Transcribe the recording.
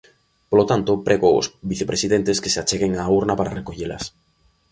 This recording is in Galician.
Polo tanto, prego aos vicepresidentes que se acheguen á urna para recollelas.